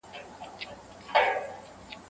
افغانستان وم سره لمبه دي کړمه